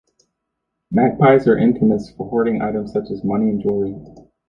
Magpies are infamous for hoarding items such as money and jewelry.